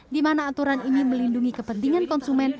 di mana aturan ini melindungi kepentingan konsumen